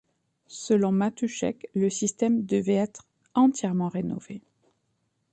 Selon Matuschek, le système devait être entièrement rénové.